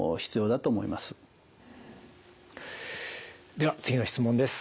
では次の質問です。